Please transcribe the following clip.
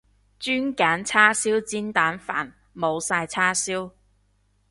轉揀叉燒煎蛋飯，冇晒叉燒